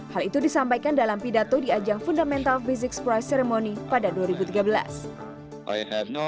hal itu disampaikan dalam pidato di ajang fundamental physic price ceremony pada dua ribu tiga belas